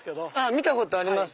見たことあります。